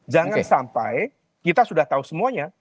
jangan sampai kita sudah tahu semuanya